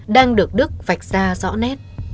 đang được đức vạch ra rõ nét